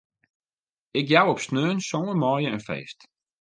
Ik jou op saterdei sân maaie in feest.